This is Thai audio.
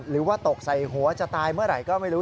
หรือว่าตกใส่หัวจะตายเมื่อไหร่ก็ไม่รู้